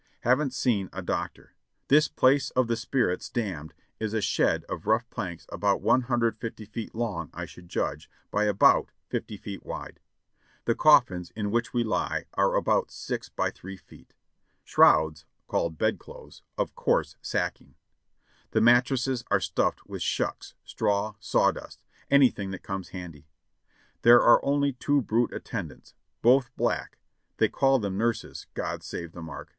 Haven't seen a doctor. This place of the spirits damned is a shed of rough planks about i 50 feet long, I should judge, by about 50 feet wide. 36 562 JOHNNY REB AND BII,I,Y YANK The coffins in which we lie are about six by three feet. Shrouds, called bed clothes, of coarse sacking. The mattresses are stuffed with shucks, straw, sawdust — anything that comes handy. There are only two brute attendants, both black (they call them nurses, God save the mark!)